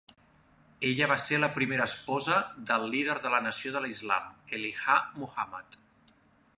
Ella va ser la primera esposa del líder de la Nació de l'Islam, Elijah Muhammad.